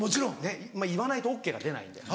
まぁ言わないとＯＫが出ないんで。